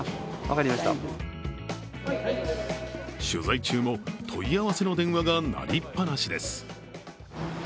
取材中も問い合わせの電話が鳴りっぱなしです。